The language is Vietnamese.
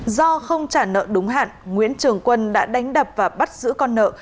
do không trả nợ đúng hạn nguyễn trường quân đã đánh đập và bắt giữ con nợ